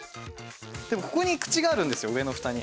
でもここに口があるんですよ上のフタに。